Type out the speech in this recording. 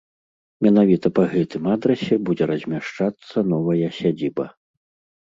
Менавіта па гэтым адрасе будзе размяшчацца новая сядзіба.